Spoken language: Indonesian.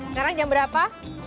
sekarang jam berapa